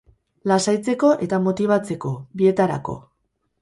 Lasaitzeko eta motibatzeko, bietarako.